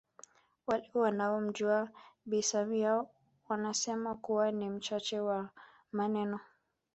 Wale wanaomjua Bi Samia wanasema kuwa ni mchache wa maneno